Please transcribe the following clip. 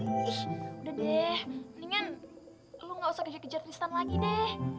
udah deh mendingan lo gak usah kejar kejar tristan lagi deh